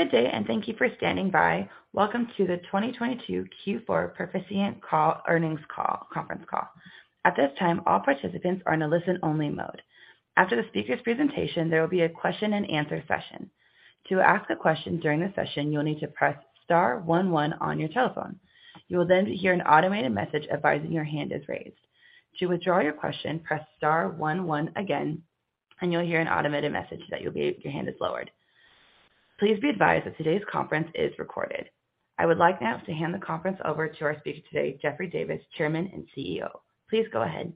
Good day. Thank you for standing by. Welcome to the 2022 Q4 Perficient earnings call conference call. At this time, all participants are in a listen only mode. After the speaker's presentation, there will be a question and answer session. To ask a question during the session, you'll need to press star one one on your telephone. You will hear an automated message advising your hand is raised. To withdraw your question, press star one one again. You'll hear an automated message that your hand is lowered. Please be advised that today's conference is recorded. I would like now to hand the conference over to our speaker today, Jeff Davis, Chairman and CEO. Please go ahead.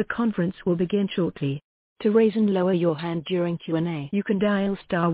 The conference will begin shortly. To raise and lower your hand during Q&A, you can dial star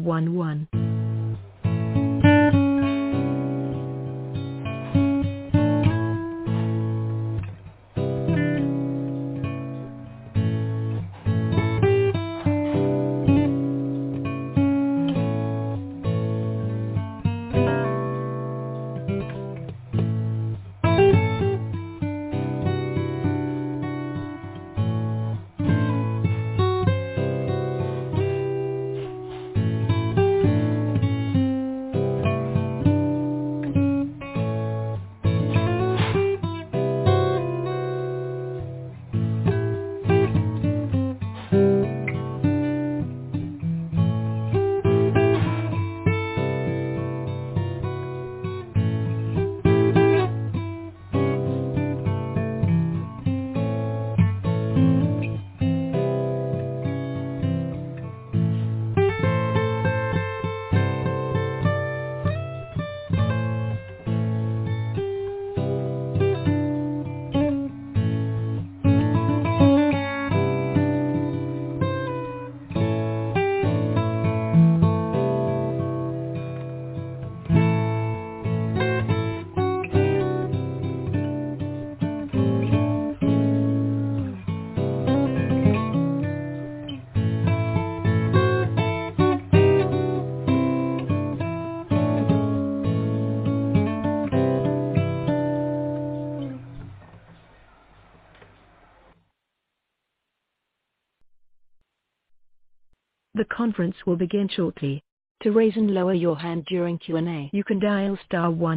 one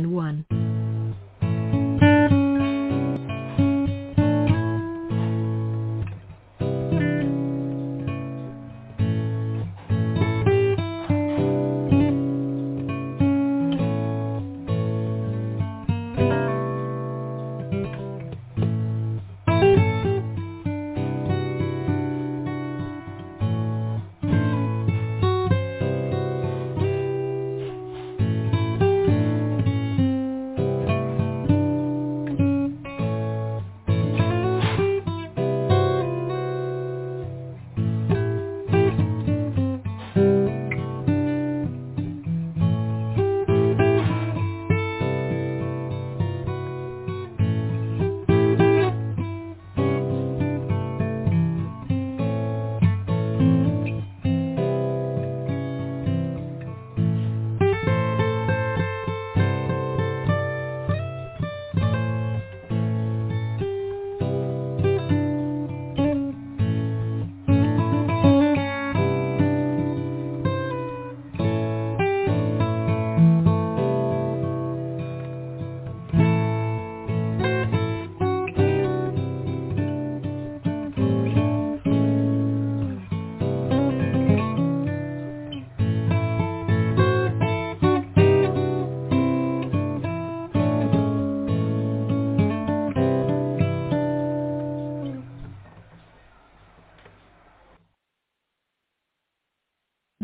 one.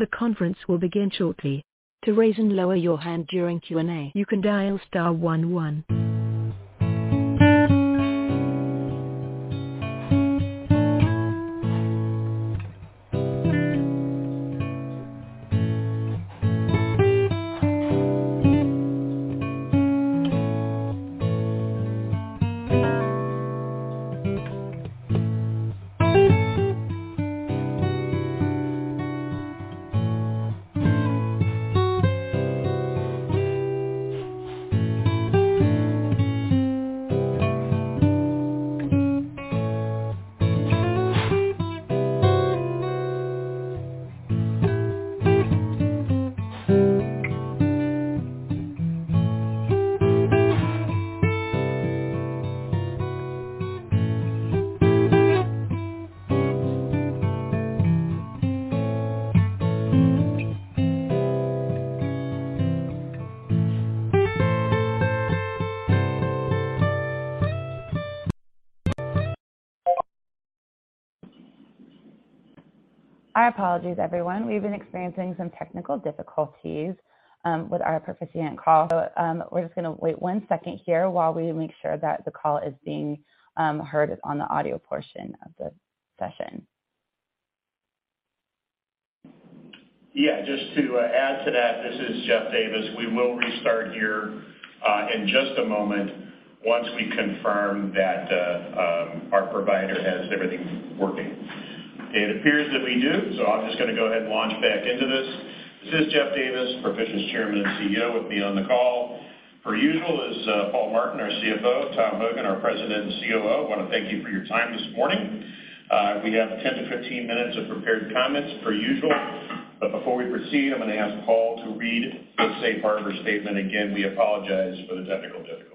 The conference will begin shortly. To raise and lower your hand during Q&A, you can dial star one one. The conference will begin shortly. To raise and lower your hand during Q&A, you can dial star one one. Our apologies, everyone. We've been experiencing some technical difficulties with our participant call. We're just going to wait one second here while we make sure that the call is being heard on the audio portion of the session. Just to add to that. This is Jeff Davis. We will restart here in just a moment once we confirm that our provider has everything working. It appears that we do. I'm just going to go ahead and launch back into this. This is Jeff Davis, Perficient's Chairman and CEO with me on the call. Per usual is Paul Martin, our CFO, Tom Hogan, our President and COO. Wanna thank you for your time this morning. We have 10-15 minutes of prepared comments per usual. Before we proceed, I'm going to ask Paul to read the safe harbor statement again. We apologize for the technical difficulty this morning.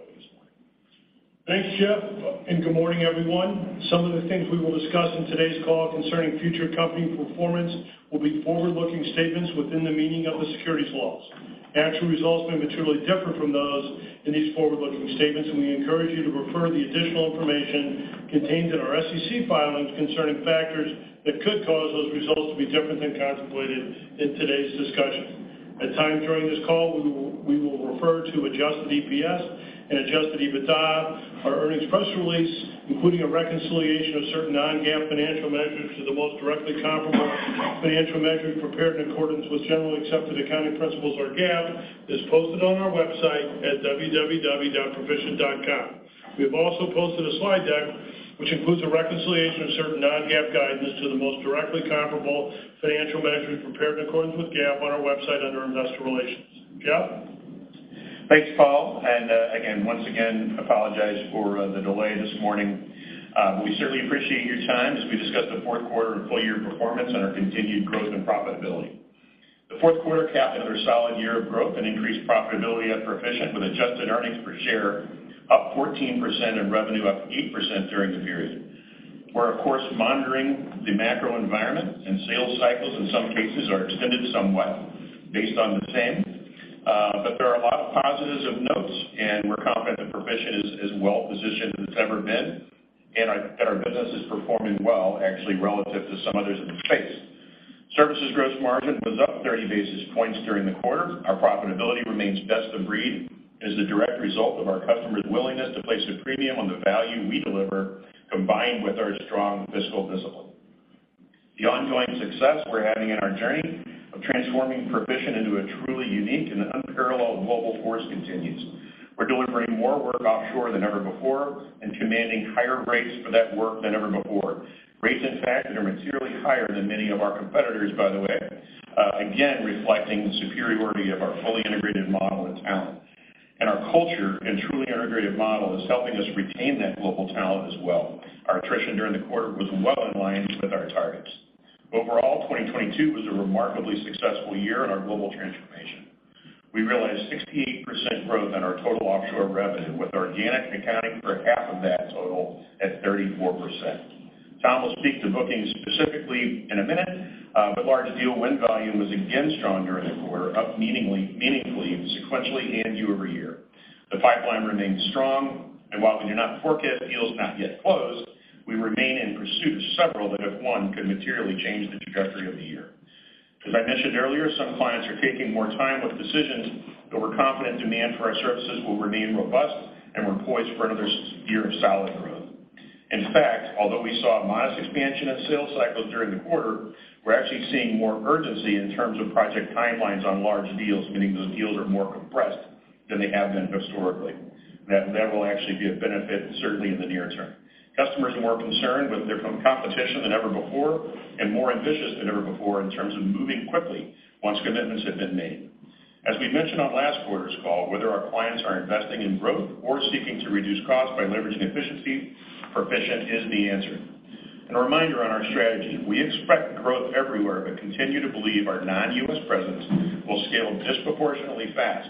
Thanks, Jeff. Good morning, everyone. Some of the things we will discuss in today's call concerning future company performance will be forward-looking statements within the meaning of the securities laws. Actual results may materially differ from those in these forward-looking statements. We encourage you to refer the additional information contained in our SEC filings concerning factors that could cause those results to be different than contemplated in today's discussion. At times during this call, we will refer to adjusted EPS and adjusted EBITDA. Our earnings press release, including a reconciliation of certain non-GAAP financial measures to the most directly comparable financial measures prepared in accordance with generally accepted accounting principles, or GAAP, is posted on our website at www.perficient.com. We have also posted a slide deck which includes a reconciliation of certain non-GAAP guidance to the most directly comparable financial measures prepared in accordance with GAAP on our website under Investor Relations. Jeff? Thanks, Paul. Again, once again, apologize for the delay this morning. We certainly appreciate your time as we discuss the Q4 and full year performance and our continued growth and profitability. The Q4 capped another solid year of growth and increased profitability at Perficient, with adjusted earnings per share up 14% and revenue up 8% during the period. We're of course monitoring the macro environment. Sales cycles in some cases are extended somewhat. Based on the same. There are a lot of positives of notes, and we're confident that Perficient is well-positioned than it's ever been, and that our business is performing well actually relative to some others in the space. Services gross margin was up 30 basis points during the quarter. Our profitability remains best of breed as a direct result of our customers' willingness to place a premium on the value we deliver, combined with our strong fiscal discipline. The ongoing success we're having in our journey of transforming Perficient into a truly unique and unparalleled global force continues. We're delivering more work offshore than ever before and commanding higher rates for that work than ever before. Rates, in fact, that are materially higher than many of our competitors, by the way, again reflecting the superiority of our fully integrated model and talent. Our culture and truly integrated model is helping us retain that global talent as well. Our attrition during the quarter was well in line with our targets. Overall, 2022 was a remarkably successful year in our global transformation. We realized 68% growth in our total offshore revenue, with organic accounting for half of that total at 34%. Tom will speak to bookings specifically in a minute, but large deal win volume was again strong during the quarter, up meaningfully, sequentially and year-over-year. The pipeline remains strong. While we do not forecast deals not yet closed, we remain in pursuit of several that if won could materially change the trajectory of the year. As I mentioned earlier, some clients are taking more time with decisions, but we're confident demand for our services will remain robust, and we're poised for another year of solid growth. In fact, although we saw a modest expansion of sales cycles during the quarter, we're actually seeing more urgency in terms of project timelines on large deals, meaning those deals are more compressed than they have been historically. That will actually be a benefit certainly in the near term. Customers are more concerned with different competition than ever before and more ambitious than ever before in terms of moving quickly once commitments have been made. As we mentioned on last quarter's call, whether our clients are investing in growth or seeking to reduce costs by leveraging efficiency, Perficient is the answer. A reminder on our strategy, we expect growth everywhere but continue to believe our non-U.S. presence will scale disproportionately fast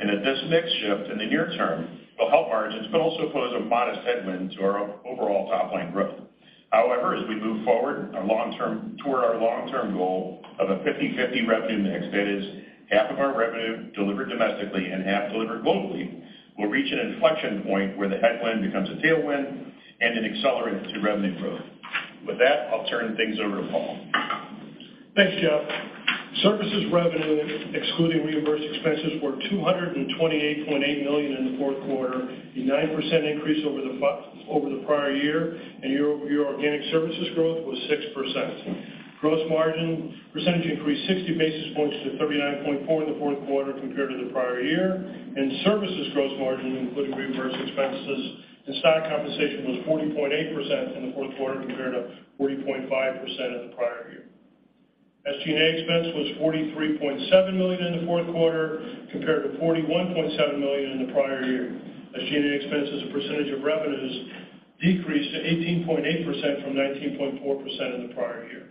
and that this mix shift in the near term will help margins, but also pose a modest headwind to our overall top-line growth. As we move forward, toward our long-term goal of a 50/50 revenue mix, that is half of our revenue delivered domestically and half delivered globally, we'll reach an inflection point where the headwind becomes a tailwind and it accelerates the revenue growth. With that, I'll turn things over to Paul. Thanks, Jeff. Services revenue, excluding reimbursed expenses, were $228.8 million in the Q4, a 9% increase over the prior year, and year-over-year organic services growth was 6%. Gross margin percentage increased 60 basis points to 39.4% in the Q4 compared to the prior year. Services gross margin, including reimbursed expenses and stock compensation, was 40.8% in the Q4 compared to 40.5% in the prior year. SG&A expense was $43.7 million in the Q4 compared to $41.7 million in the prior year. SG&A expense as a percentage of revenues decreased to 18.8% from 19.4% in the prior year.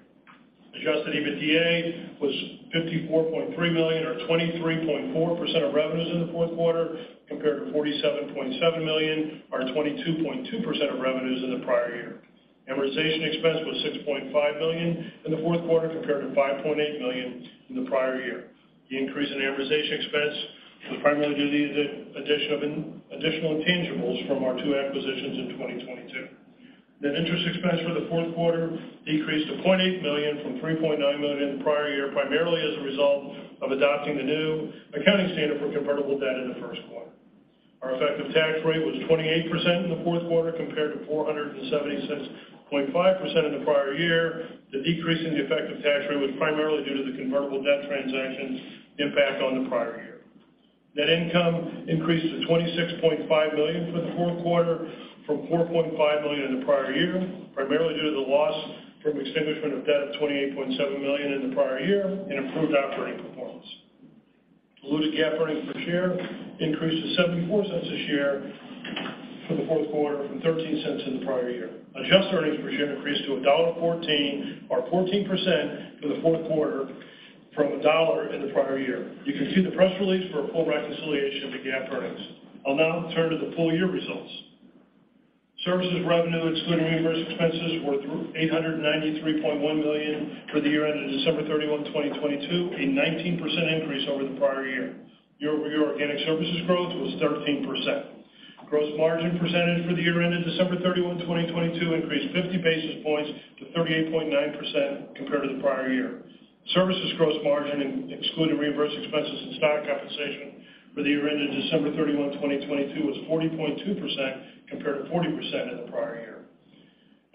Adjusted EBITDA was $54.3 million or 23.4% of revenues in the Q4 compared to $47.7 million or 22.2% of revenues in the prior year. Amortization expense was $6.5 million in the Q4 compared to $5.8 million in the prior year. The increase in amortization expense was primarily due to the addition of additional intangibles from our two acquisitions in 2022. Net interest expense for the Q4 decreased to $0.8 million from $3.9 million in the prior year, primarily as a result of adopting the new accounting standard for convertible debt in the Q1. Our effective tax rate was 28% in the Q4 compared to 4.5% in the prior year. The decrease in the effective tax rate was primarily due to the convertible debt transaction's impact on the prior year. Net income increased to $26.5 million for the Q4 from $4.5 million in the prior year, primarily due to the loss from extinguishment of debt of $28.7 million in the prior year and improved operating performance. Diluted GAAP earnings per share increased to $0.74 a share for the Q4 from $0.13 in the prior year. Adjusted earnings per share increased to $1.14 or 14% for the Q4 from $1.00 in the prior year. You can see the press release for a full reconciliation of the GAAP earnings. I'll now turn to the full year results. Services revenue, excluding reimbursed expenses, were $893.1 million for the year ended December 31, 2022, a 19% increase over the prior year. Year-over-year organic services growth was 13%. Gross margin percentage for the year ended December 31, 2022 increased 50 basis points to 38.9% compared to the prior year. Services gross margin, including reimbursed expenses and stock compensation, for the year ended December 31, 2022 was 40.2% compared to 40% in the prior year.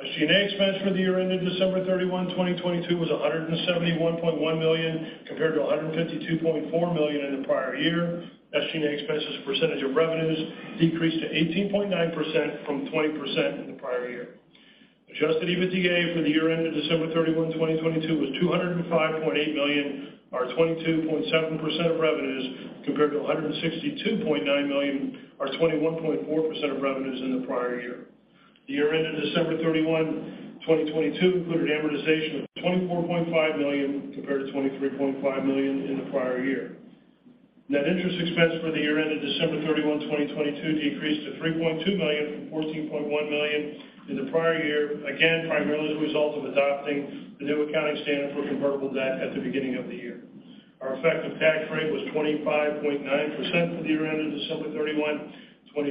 SG&A expense for the year ended December 31, 2022 was $171.1 million compared to $152.4 million in the prior year. SG&A expense as a percentage of revenues decreased to 18.9% from 20% in the prior year. Adjusted EBITDA for the year ended December 31, 2022 was $205.8 million or 22.7% of revenues compared to $162.9 million or 21.4% of revenues in the prior year. The year ended December 31, 2022 included amortization of $24.5 million compared to $23.5 million in the prior year. Net interest expense for the year ended December 31, 2022 decreased to $3.2 million from $14.1 million in the prior year, again, primarily as a result of adopting the new accounting standard for convertible debt at the beginning of the year. Our effective tax rate was 25.9% for the year ended December 31,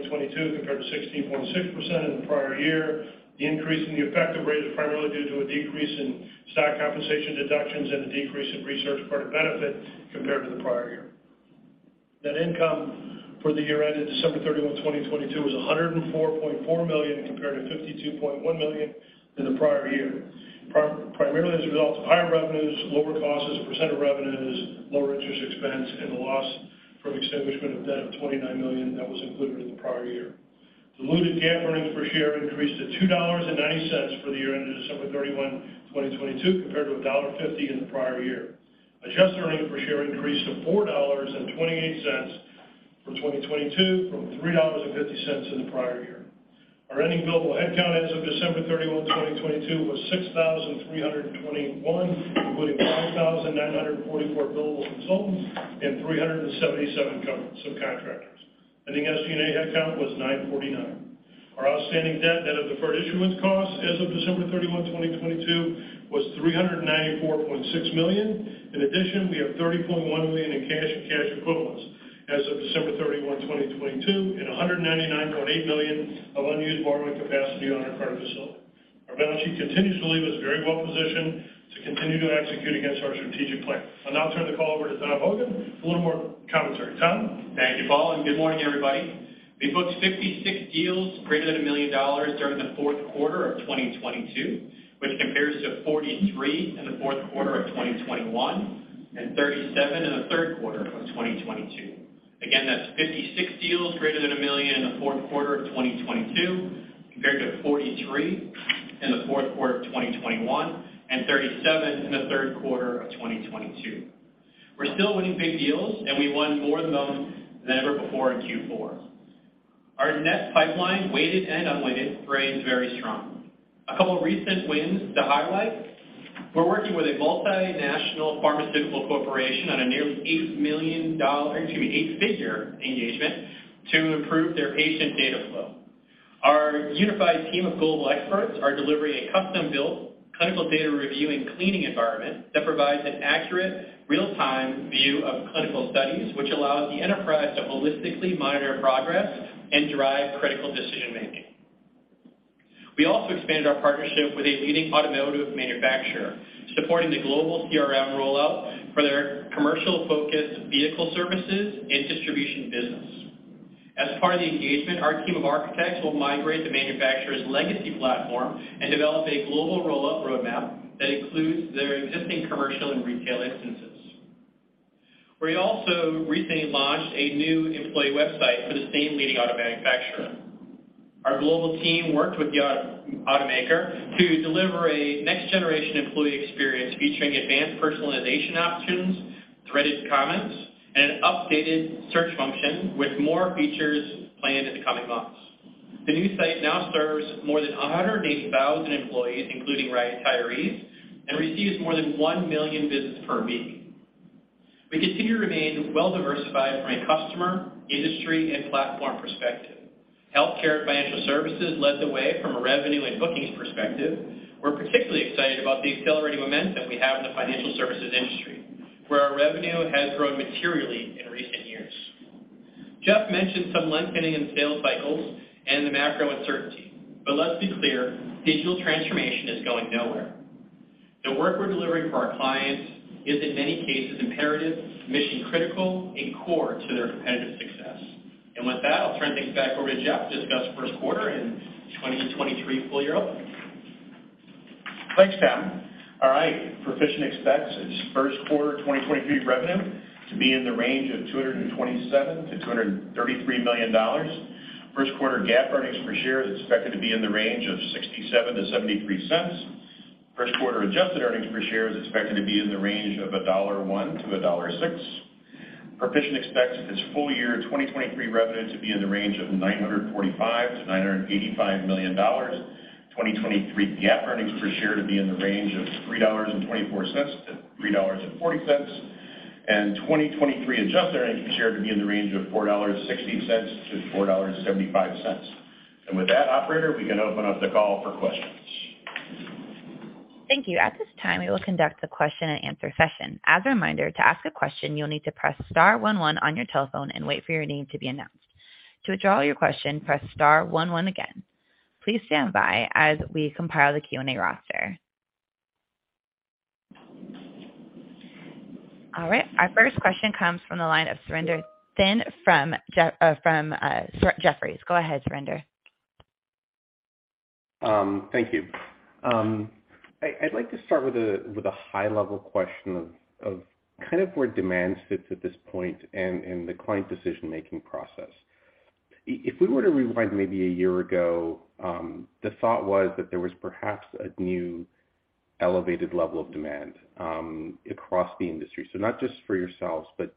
2022 compared to 16.6% in the prior year. The increase in the effective rate is primarily due to a decrease in stock compensation deductions and a decrease in research credit benefit compared to the prior year. Net income for the year ended December 31, 2022 was $104.4 million, compared to $52.1 million in the prior year. primarily as a result of higher revenues, lower costs as a % of revenues, lower interest expense, and the loss from extinguishment of debt of $29 million that was included in the prior year. Diluted GAAP earnings per share increased to $2.90 for the year ended December 31, 2022, compared to $1.50 in the prior year. Adjusted earnings per share increased to $4.28 for 2022 from $3.50 in the prior year. Our ending billable headcount as of December 31, 2022 was 6,321, including 5,944 billables consults and 377 sub-subcontractors. Ending SG&A headcount was 949. Our outstanding debt, net of deferred issuance costs as of December 31, 2022 was $394.6 million. In addition, we have $30.1 million in cash and cash equivalents as of December 31, 2022 and $199.8 million of unused borrowing capacity on our current facility. Our balance sheet continues to leave us very well positioned to continue to execute against our strategic plan. I'll now turn the call over to Tom Hogan for a little more commentary. Tom? Thank you, Paul. Good morning, everybody. We booked 56 deals greater than $1 million during the Q4 of 2022, which compares to 43 in the Q4 of 2021 and 37 in the Q3 of 2022. Again, that's 56 deals greater than $1 million in the Q4 of 2022, compared to 43 in the Q4 of 2021, and 37 in the Q3 of 2022. We're still winning big deals, and we won more of them than ever before in Q4. Our net pipeline, weighted and unweighted, remains very strong. A couple of recent wins to highlight. We're working with a multinational pharmaceutical corporation on a nearly eight-figure engagement to improve their patient data flow. Our unified team of global experts are delivering a custom-built clinical data review and cleaning environment that provides an accurate real-time view of clinical studies, which allows the enterprise to holistically monitor progress and drive critical decision-making. We also expanded our partnership with a leading automotive manufacturer, supporting the global CRM rollout for their commercial-focused vehicle services and distribution business. As part of the engagement, our team of architects will migrate the manufacturer's legacy platform and develop a global rollout roadmap that includes their existing commercial and retail instances. We also recently launched a new employee website for the same leading auto manufacturer. Our global team worked with the automaker to deliver a next-generation employee experience featuring advanced personalization options, threaded comments, and an updated search function with more features planned in the coming months. The new site now serves more than 180,000 employees, including retirees, and receives more than 1 million visits per week. We continue to remain well-diversified from a customer, industry, and platform perspective. Healthcare and financial services led the way from a revenue and bookings perspective. We're particularly excited about the accelerating momentum we have in the financial services industry, where our revenue has grown materially in recent years. Jeff mentioned some lengthening in sales cycles and the macro uncertainty. Let's be clear, digital transformation is going nowhere. The work we're delivering for our clients is, in many cases, imperative, mission-critical, and core to their competitive success. With that, I'll turn things back over to Jeff to discuss Q1 and 2023 full year outlook. Thanks, Tom. All right. Perficient expects its Q1 2023 revenue to be in the range of $227 to 233 million. Q1 GAAP earnings per share is expected to be in the range of $0.67-$0.73. Q1 adjusted earnings per share is expected to be in the range of $1.01-$1.06. Perficient expects its full year 2023 revenue to be in the range of $945 million-$985 million. 2023 GAAP earnings per share to be in the range of $3.24-$3.40. 2023 adjusted earnings per share to be in the range of $4.60-$4.75. With that, operator, we can open up the call for questions. Thank you. At this time, we will conduct a question and answer session. As a reminder, to ask a question, you'll need to press star one one on your telephone and wait for your name to be announced. To withdraw your question, press star one one again. Please stand by as we compile the Q&A roster. All right. Our first question comes from the line of Surinder Thind from Jefferies. Go ahead, Surinder. Thank you. I'd like to start with a high-level question of kind of where demand sits at this point and the client decision-making process. If we were to rewind maybe a year ago, the thought was that there was perhaps a new elevated level of demand across the industry. Not just for yourselves, but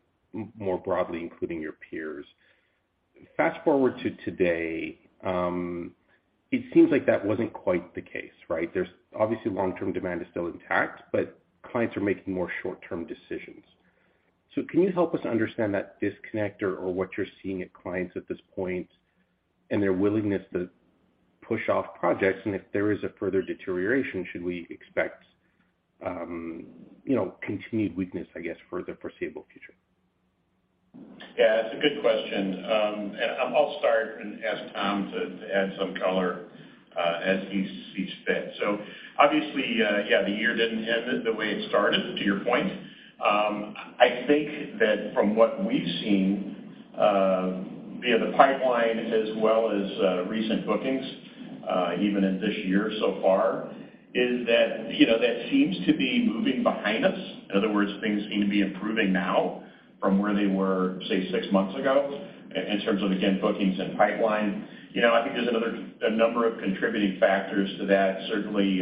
more broadly, including your peers. Fast-forward to today, it seems like that wasn't quite the case, right? There's obviously long-term demand is still intact, but clients are making more short-term decisions. Can you help us understand that disconnect or what you're seeing at clients at this point and their willingness to push off projects? If there is a further deterioration, should we expect, continued weakness, I guess, for the foreseeable future? Yeah, that's a good question. I'll start and ask Tom to add some color as he sees fit. Obviously, yeah, the year didn't end the way it started, to your point. I think that from what we've seen via the pipeline as well as recent bookings, even in this year so far, is that, that seems to be moving behind us. In other words, things seem to be improving now from where they were, say, six months ago in terms of, again, bookings and pipeline. I think there's a number of contributing factors to that. Certainly,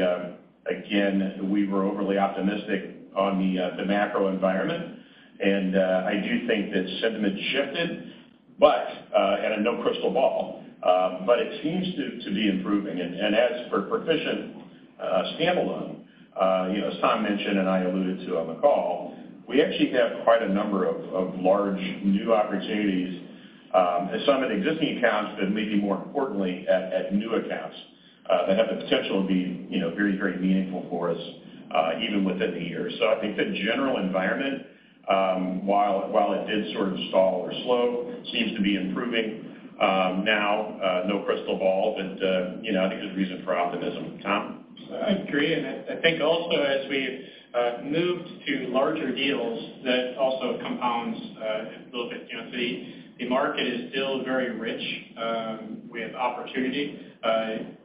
again, we were overly optimistic on the macro environment, and I do think that sentiment shifted. I have no crystal ball, but it seems to be improving. As for Perficient, standalone, as Tom mentioned, and I alluded to on the call, we actually have quite a number of large new opportunities, at some of the existing accounts, but maybe more importantly at new accounts, that have the potential to be, very, very meaningful for us, even within the year. I think the general environment, while it did sort of stall or slow, seems to be improving, now. No crystal ball, but, I think there's reason for optimism. Tom? I agree. I think also as we've moved to larger deals, that also compounds a little bit. the market is still very rich with opportunity.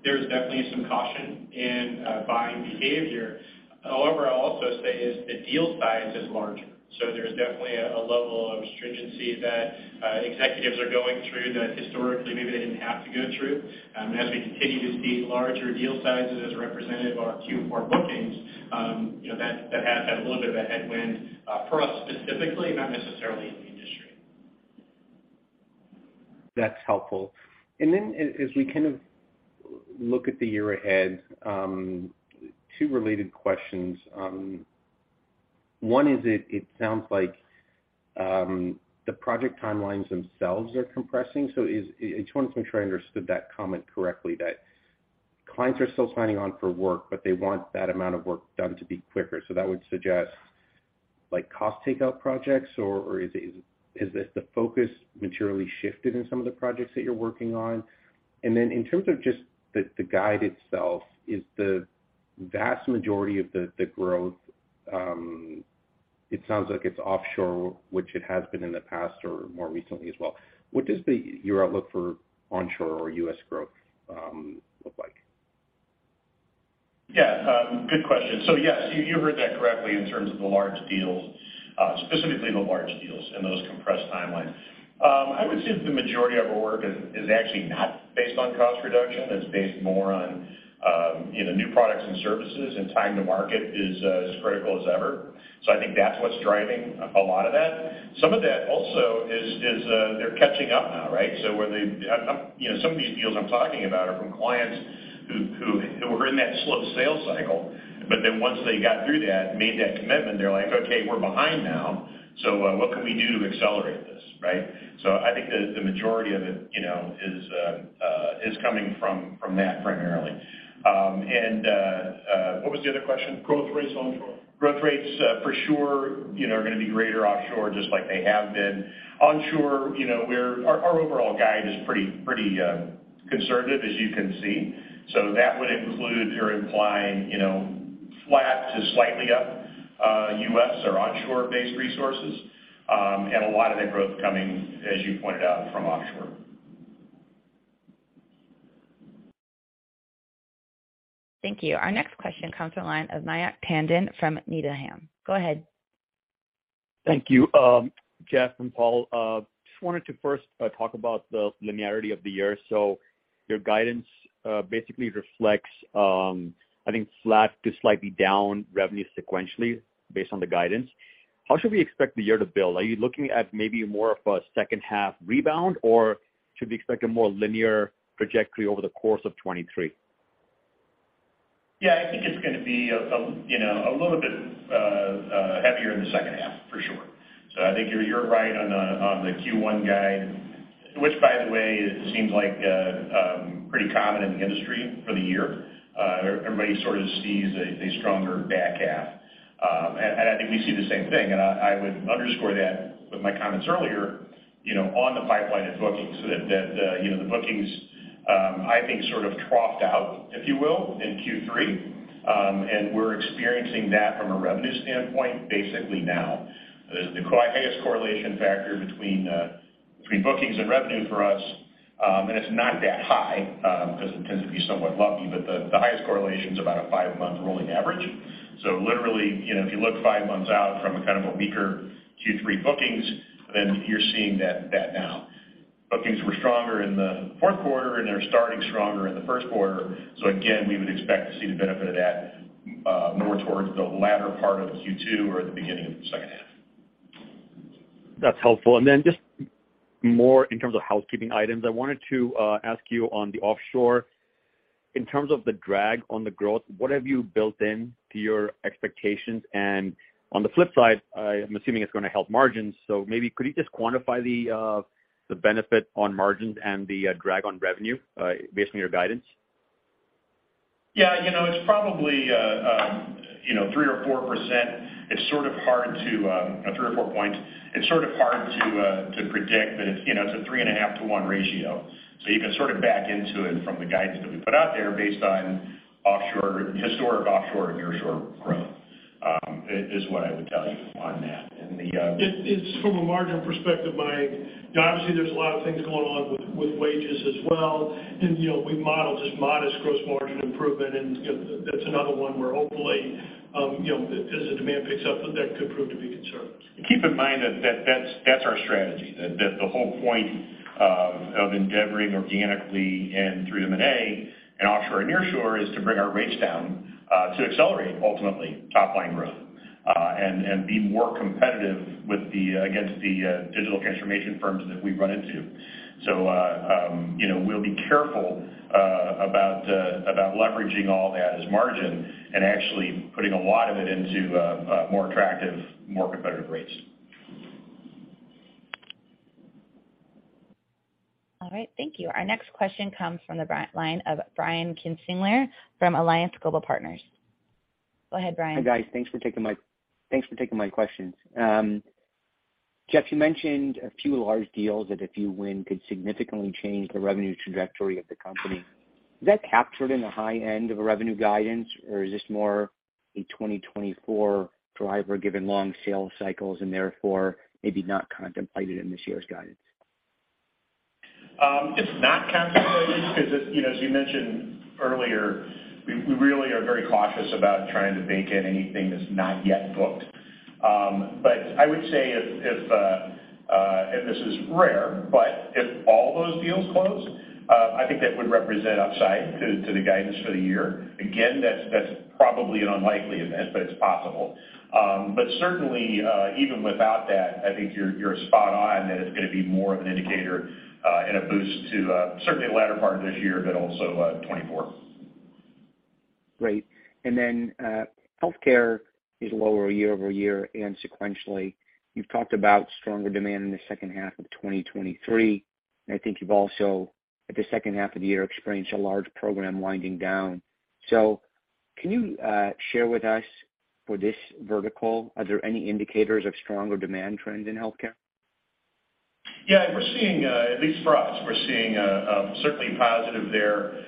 There is definitely some caution in buying behavior. However, I'll also say is the deal size is larger, so there's definitely a level of stringency that executives are going through that historically maybe they didn't have to go through. As we continue to see larger deal sizes as representative of our Q4 bookings, that has had a little bit of a headwind for us specifically, not necessarily in the industry. That's helpful. As, as we kind of look at the year ahead, two related questions. One is it sounds like, the project timelines themselves are compressing. I just wanna make sure I understood that comment correctly, that clients are still signing on for work, but they want that amount of work done to be quicker. That would suggest like cost takeout projects, or is this the focus materially shifted in some of the projects that you're working on? In terms of just the guide itself, is the vast majority of the growth, it sounds like it's offshore, which it has been in the past or more recently as well. What does your outlook for onshore or U.S. growth, look like? Good question. Yes, you heard that correctly in terms of the large deals, specifically the large deals and those compressed timelines. I would say that the majority of our work is actually not based on cost reduction. It's based more on, new products and services, time to market is as critical as ever. I think that's what's driving a lot of that. Some of that also is they're catching up now, right? Where they, some of these deals I'm talking about are from clients who were in that slow sales cycle. Once they got through that, made that commitment, they're like, "Okay, we're behind now, so what can we do to accelerate this?" Right? I think the majority of it, is coming from that primarily. What was the other question? Growth rates onshore. Growth rates, for sure, are going to be greater offshore, just like they have been. Onshore, Our overall guide is pretty conservative, as you can see. That would include or imply, flat to slightly up, U.S. or onshore-based resources. A lot of that growth coming, as you pointed out, from offshore. Thank you. Our next question comes from the line of Mayank Tandon from Needham. Go ahead. Thank you. Jeff and Paul, just wanted to first talk about the linearity of the year. Your guidance basically reflects, I think flat to slightly down revenue sequentially based on the guidance. How should we expect the year to build? Are you looking at maybe more of a second half rebound, or should we expect a more linear trajectory over the course of 2023? Yeah. I think it's going to be a, a little bit heavier in the second half for sure. I think you're right on the Q1 guide, which, by the way, it seems like pretty common in the industry for the year. Everybody sort of sees a stronger back half. I think we see the same thing. I would underscore that with my comments earlier, on the pipeline of bookings, that, the bookings, I think sort of troughed out, if you will, in Q3. We're experiencing that from a revenue standpoint basically now. The highest correlation factor between bookings and revenue for us, and it's not that high, 'cause it tends to be somewhat lumpy, but the highest correlation is about a 5-month rolling average. Literally, if you look 5 months out from a kind of a weaker Q3 bookings, then you're seeing that now. Bookings were stronger in the Q4, and they're starting stronger in the Q1. Again, we would expect to see the benefit of that more towards the latter part of Q2 or the beginning of the second half. That's helpful. Then just more in terms of housekeeping items. I wanted to ask you on the offshore In terms of the drag on the growth, what have you built into your expectations? On the flip side, I am assuming it's going to help margins. Maybe could you just quantify the benefit on margins and the, drag on revenue, based on your guidance? Yeah. it's probably, three or four%. It's sort of hard to. Three or four points. It's sort of hard to predict, but it's, it's a 3.5 to 1 ratio. You can sort of back into it from the guidance that we put out there based on offshore, historic offshore and nearshore growth, is what I would tell you on that. It's from a margin perspective, Mike. Obviously, there's a lot of things going on with wages as well. we modeled just modest gross margin improvement. that's another one where hopefully, as the demand picks up, that could prove to be conservative. Keep in mind that that's our strategy. The whole point of endeavoring organically and through M&A in offshore and nearshore is to bring our rates down to accelerate ultimately top line growth. Be more competitive with the, against the digital transformation firms that we run into. we'll be careful about leveraging all that as margin and actually putting a lot of it into more attractive, more competitive rates. All right. Thank you. Our next question comes from the line of Brian Kinstlinger from Alliance Global Partners. Go ahead, Brian. Hi, guys. Thanks for taking my questions. Jeff, you mentioned a few large deals that if you win, could significantly change the revenue trajectory of the company. Is that captured in the high end of a revenue guidance or is this more a 2024 driver given long sales cycles and therefore maybe not contemplated in this year's guidance? It's not contemplated 'cause it. as you mentioned earlier, we really are very cautious about trying to bake in anything that's not yet booked. I would say if, and this is rare, but if all those deals close, I think that would represent upside to the guidance for the year. Again, that's probably an unlikely event, but it's possible. Certainly, even without that, I think you're spot on that it's going to be more of an indicator, and a boost to, certainly the latter part of this year, but also, 2024. Great. Healthcare is lower year-over-year and sequentially. You've talked about stronger demand in the second half of 2023. I think you've also, at the second half of the year, experienced a large program winding down. Can you, share with us for this vertical, are there any indicators of stronger demand trends in healthcare? Yeah. We're seeing, at least for us, we're seeing, certainly positive there.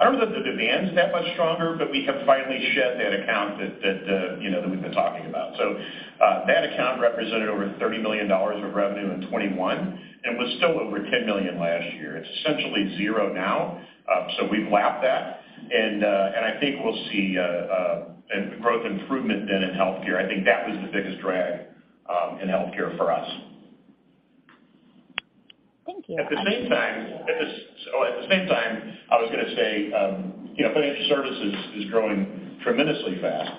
I don't know that the demand's that much stronger, we have finally shed that account that, that we've been talking about. That account represented over $30 million of revenue in 2021 and was still over $10 million last year. It's essentially zero now. We've lapped that. I think we'll see growth improvement then in healthcare. I think that was the biggest drag in healthcare for us. Thank you. At the same time, I was going to say, financial services is growing tremendously fast,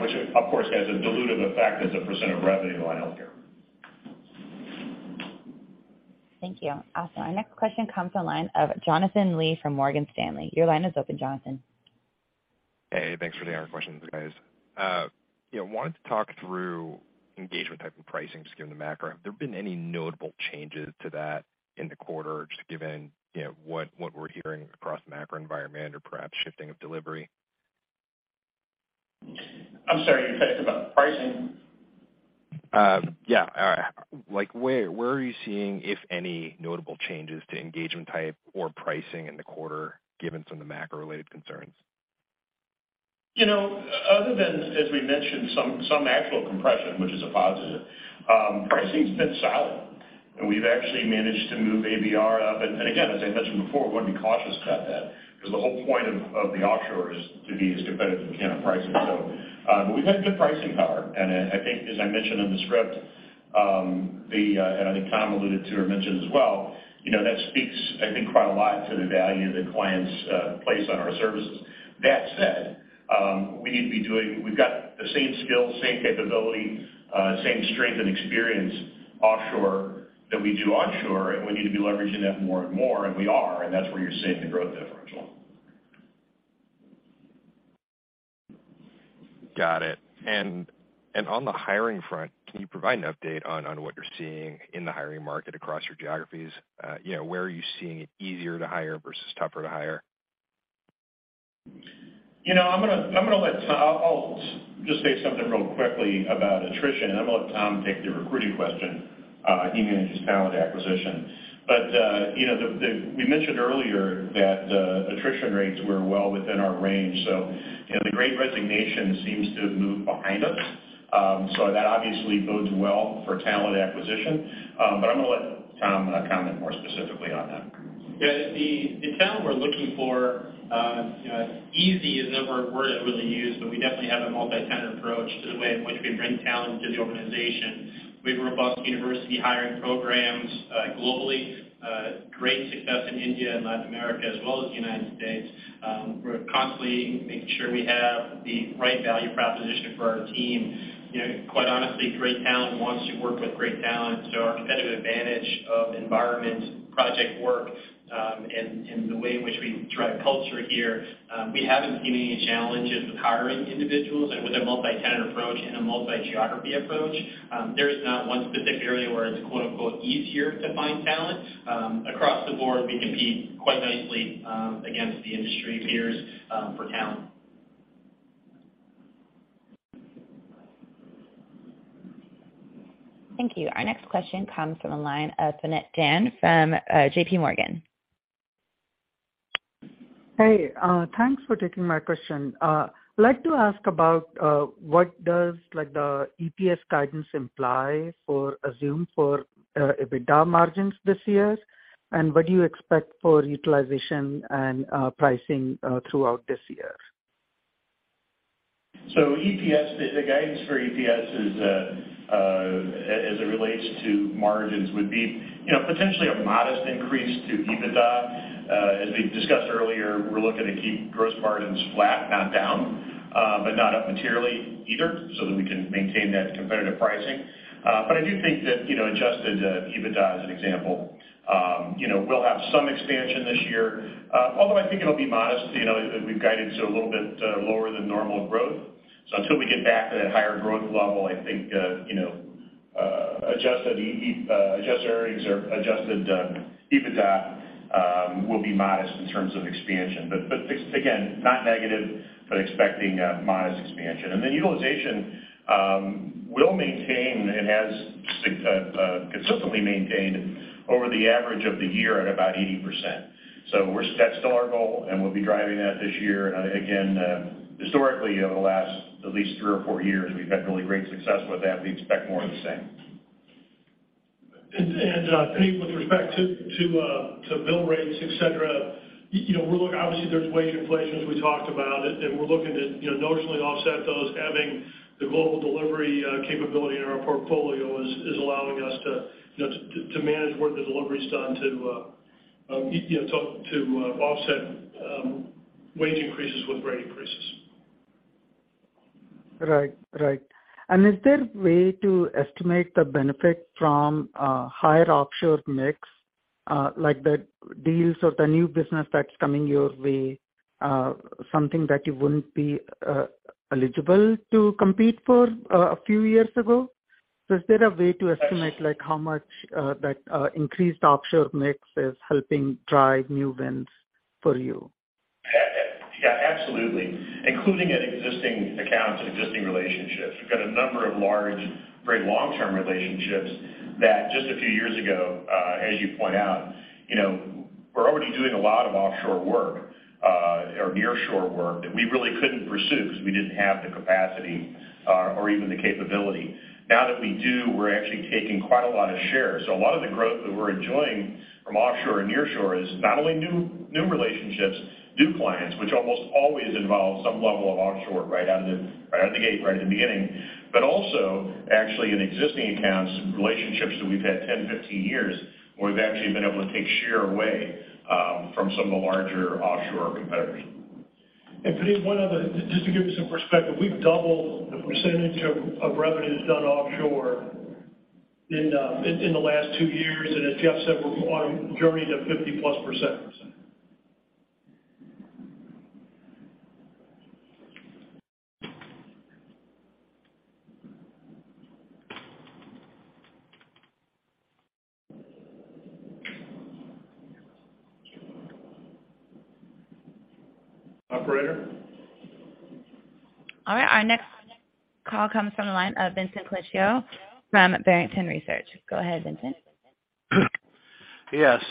which, of course, has a dilutive effect as a % of revenue on healthcare. Thank you. Awesome. Our next question comes from the line of Jonathan Lee from Morgan Stanley. Your line is open, Jonathan. Hey, thanks for taking our questions, guys. wanted to talk through engagement type and pricing just given the macro. Have there been any notable changes to that in the quarter just given, what we're hearing across the macro environment or perhaps shifting of delivery? I'm sorry. You said about the pricing? Yeah. Like, where are you seeing, if any, notable changes to engagement type or pricing in the quarter given some of the macro-related concerns? Other than, as we mentioned, some actual compression, which is a positive, pricing's been solid, and we've actually managed to move ABR up. Again, as I mentioned before, we're going to be cautious about that because the whole point of the offshore is to be as competitive as we can on pricing. We've had good pricing power. I think, as I mentioned in the script, and I think Tom alluded to or mentioned as well, that speaks I think quite a lot to the value that clients place on our services. That said, we've got the same skills, same capability, same strength and experience offshore that we do onshore, and we need to be leveraging that more and more, and we are. That's where you're seeing the growth differential. Got it. On the hiring front, can you provide an update on what you're seeing in the hiring market across your geographies? where are you seeing it easier to hire versus tougher to hire? I'm going to let Tom. I'll just say something real quickly about attrition. I'm going to let Tom take the recruiting question, he manages talent acquisition. the we mentioned earlier that attrition rates were well within our range. the great resignation seems to have moved behind us. That obviously bodes well for talent acquisition. I'm going to let Tom comment more specifically on that. Yeah. The talent we're looking for, easy is not a word I'd really use, but we definitely have a multi-tenured approach to the way in which we bring talent to the organization. We have robust university hiring programs, globally. Great success in India and Latin America as well as,. It's, we're constantly making sure we have the right value proposition for our team. quite honestly, great talent wants to work with great talent, so our competitive advantage of environment, project work, and the way in which we drive culture here, we haven't seen any challenges with hiring individuals. With a multi-tenant approach and a multi-geography approach, there's not one specific area where it's, quote-unquote, "easier to find talent." Across the board, we compete quite nicely, against the industry peers, for talent. Thank you. Our next question comes from the line of Puneet Jain from JP Morgan. Hey, thanks for taking my question. I'd like to ask about, what does, like, the EPS guidance imply for-- assume for, EBITDA margins this year? What do you expect for utilization and, pricing, throughout this year? EPS, the guidance for EPS is, as it relates to margins would be, potentially a modest increase to EBITDA. As we discussed earlier, we're looking to keep gross margins flat, not down, but not up materially either, so that we can maintain that competitive pricing. I do think that, adjusted EBITDA, as an example, we'll have some expansion this year. Although I think it'll be modest. we've guided to a little bit lower than normal growth. Until we get back to that higher growth level, I think, adjusted earnings or adjusted EBITDA will be modest in terms of expansion. Again, not negative, but expecting a modest expansion. Utilization will maintain and has consistently maintained over the average of the year at about 80%. That's still our goal, and we'll be driving that this year. Again, historically, over the last at least three or four years, we've had really great success with that. We expect more of the same. Puneet, with respect to bill rates, et cetera, obviously, there's wage inflations we talked about, and we're looking to, notionally offset those. Having the global delivery capability in our portfolio is allowing us to, to manage where the delivery's done to, to offset wage increases with rate increases. Right. Right. Is there a way to estimate the benefit from higher offshore mix, like the deals or the new business that's coming your way? Something that you wouldn't be eligible to compete for a few years ago. Is there a way to estimate, like, how much that increased offshore mix is helping drive new wins for you? Yeah, absolutely. Including in existing accounts and existing relationships. We've got a number of large, very long-term relationships that just a few years ago, as you point out, we're already doing a lot of offshore work, or nearshore work that we really couldn't pursue because we didn't have the capacity, or even the capability. Now that we do, we're actually taking quite a lot of share. A lot of the growth that we're enjoying from offshore and nearshore is not only new relationships, new clients, which almost always involve some level of offshore right out of the, right out of the gate, right at the beginning, but also actually in existing accounts and relationships that we've had 10, 15 years, where we've actually been able to take share away from some of the larger offshore competitors. Puneet, it's Paul, Just to give you some perspective, we've doubled the percentage of revenues done offshore in, in the last two years. As Jeff said, we're on a journey to 50%+. Operator? All right, our next call comes from the line of Vincent Colicchio from Barrington Research. Go ahead, Vincent. Yes,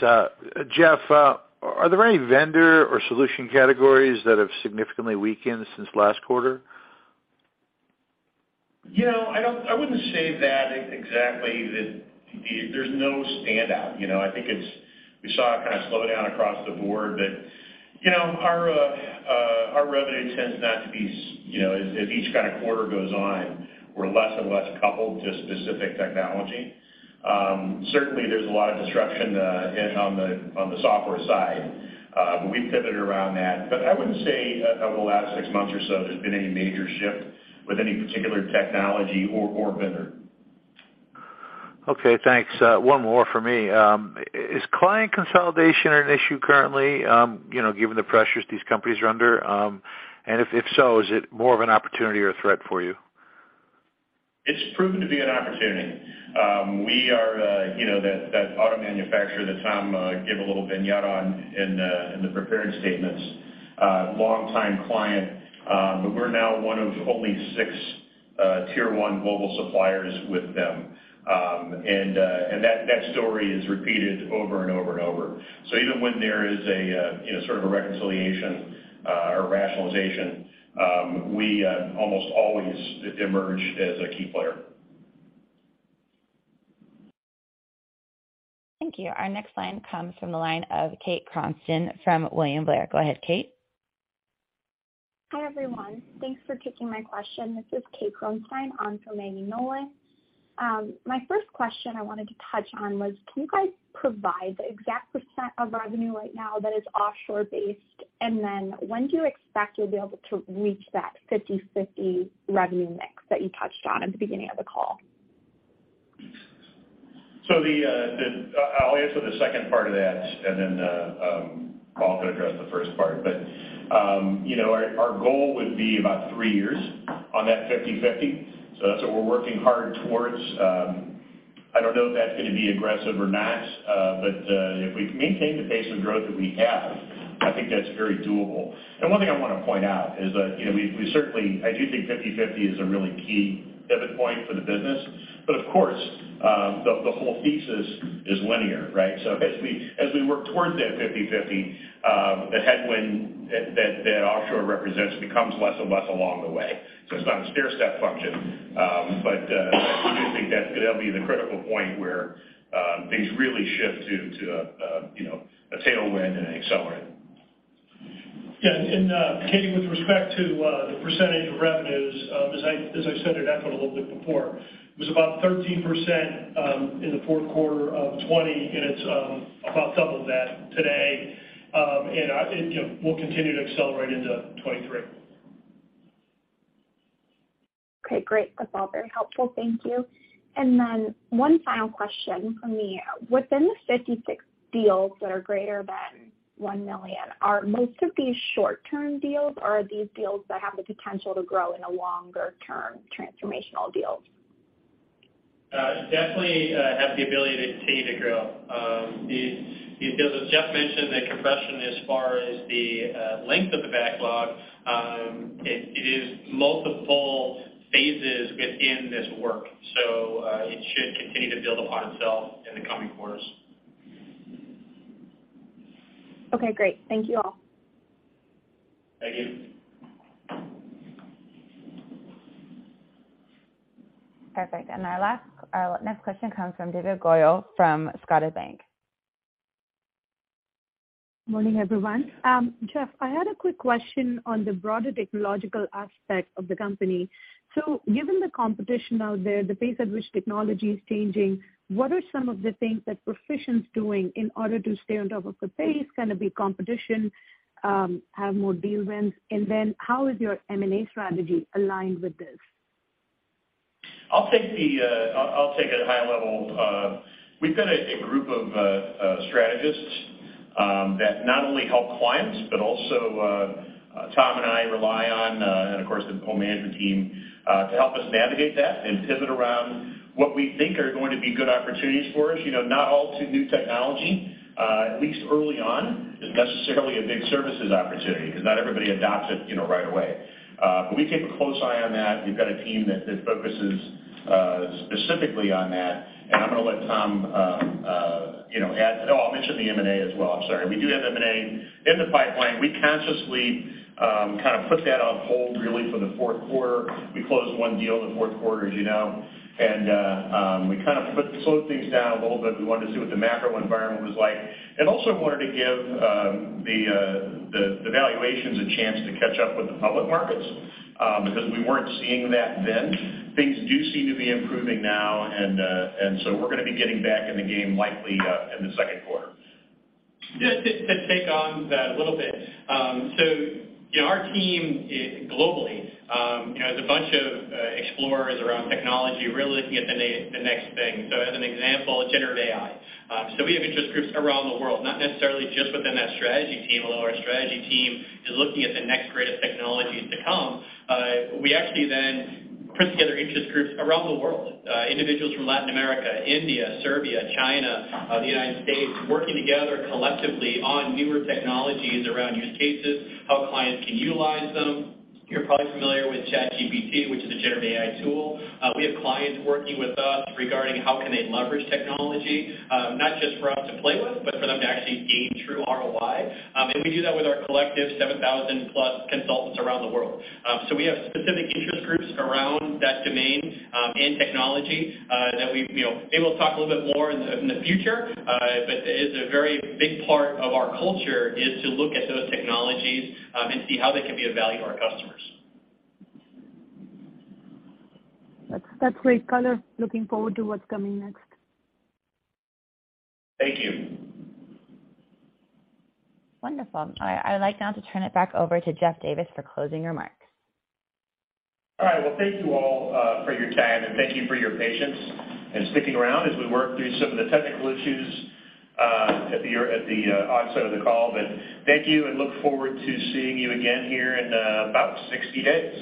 Jeff, are there any vendor or solution categories that have significantly weakened since last quarter? I wouldn't say that exactly. That there's no standout, I think it's. We saw a kinda slowdown across the board. our revenue tends not to be, as each kind of quarter goes on, we're less and less coupled to specific technology. Certainly there's a lot of disruption in, on the software side. We've pivoted around that. I wouldn't say over the last six months or so there's been any major shift with any particular technology or vendor. Okay, thanks. One more from me. Is client consolidation an issue currently, given the pressures these companies are under? If, if so, is it more of an opportunity or a threat for you? It's proven to be an opportunity. We are, that auto manufacturer that Tom gave a little vignette on in the prepared statements, longtime client. We're now one of only six tier one global suppliers with them. That, that story is repeated over and over and over. Even when there is a, sort of a reconciliation or rationalization, we almost always emerge as a key player. Thank you. Our next line comes from the line of Maggie Nolan from William Blair. Go ahead, Kate. Hi, everyone. Thanks for taking my question. This is Kate Kron-Moore on from. My first question I wanted to touch on was can you guys provide the exact % of revenue right now that is offshore-based? When do you expect you'll be able to reach that 50/50 revenue mix that you touched on at the beginning of the call? I'll answer the second part of that, and then Tom can address the first part. our goal would be about 3 years on that 50/50. That's what we're working hard towards. I don't know if that's going to be aggressive or not, if we can maintain the pace of growth that we have, I think that's very doable. One thing I wanna point out is that, we certainly I do think 50/50 is a really key pivot point for the business, but of course, the whole thesis is linear, right? As we work towards that 50/50, the headwind that offshore represents becomes less and less along the way. It's not a stairstep function. I do think that's going to be the critical point where things really shift to, a tailwind and accelerate. Katie, with respect to the percentage of revenues, as I said in Echo a little bit before, it was about 13% in the Q4 of 2020, and it's about double that today. we'll continue to accelerate into 2023. Okay, great. That's all very helpful. Thank you. One final question from me. Within the 56 deals that are greater than $1 million, are most of these short-term deals or are these deals that have the potential to grow in a longer-term transformational deals? Definitely, have the ability to continue to grow. These deals, as Jeff mentioned, the compression as far as the length of the backlog, it is multiple phases within this work. It should continue to build upon itself in the coming quarters. Okay, great. Thank you all. Thank you. Perfect. Our next question comes from Divya Goyal from Scotiabank. Morning, everyone. Jeff, I had a quick question on the broader technological aspect of the company. Given the competition out there, the pace at which technology is changing, what are some of the things that Perficient's doing in order to stay on top of the pace, kind of the competition, have more deal wins? How is your M&A strategy aligned with this? I'll take the, it high level. We've got a group of strategists that not only help clients, but also Tom and I rely on, and of course the whole management team, to help us navigate that and pivot around what we think are going to be good opportunities for us. not all too new technology, at least early on, is necessarily a big services opportunity 'cause not everybody adopts it, right away. We keep a close eye on that. We've got a team that focuses specifically on that. I'm going to let Tom, add. I'll mention the M&A as well. I'm sorry. We do have M&A in the pipeline. We consciously kind of put that on hold really for the Q4. We closed one deal in the Q4, as and we kind of slowed things down a little bit. We wanted to see what the macro environment was like and also wanted to give the valuations a chance to catch up with the public markets because we weren't seeing that then. Things do seem to be improving now, and so we're going to be getting back in the game likely in the Q2. Just to take on that a little bit. our team globally, is a bunch of explorers around technology, really looking at the next thing. As an example, generative AI. We have interest groups around the world, not necessarily just within that strategy team, although our strategy team is looking at the next greatest technologies to come. We actually put together interest groups around the world. Individuals from Latin America, India, Serbia, China, the United States, working together collectively on newer technologies around use cases, how clients can utilize them. You're probably familiar with ChatGPT, which is a generative AI tool. We have clients working with us regarding how can they leverage technology, not just for us to play with, but for them to actually gain true ROI. We do that with our collective 7,000 plus consultants around the world. We have specific interest groups around that domain and technology that we, maybe we'll talk a little bit more in the future. It's a very big part of our culture is to look at those technologies and see how they can be of value to our customers. That's great color. Looking forward to what's coming next. Thank you. Wonderful. I would like now to turn it back over to Jeff Davis for closing remarks. All right. Well, thank you all for your time, and thank you for your patience and sticking around as we work through some of the technical issues at the onset of the call. Thank you and look forward to seeing you again here in about 60 days.